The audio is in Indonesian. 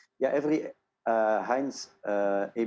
saya pikir yang kedua